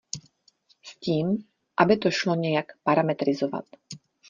S tím, aby to šlo nějak parametrizovat.